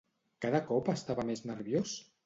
Cada cop estava més nerviós?